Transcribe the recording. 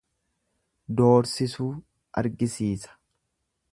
Doorsisuu argisiisa.